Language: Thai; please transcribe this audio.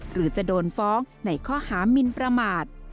หรือจะโดนฟ้องในข้อหามินประมาท